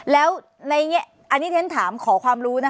แล้วในอันนี้ที่ฉันถามขอความรู้นะคะ